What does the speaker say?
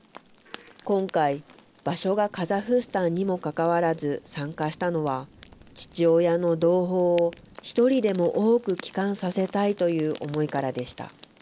今回、場所がカザフスタンにもかかわらず参加したのは、父親の同胞を１人でも多く帰還させたいという思いからでした。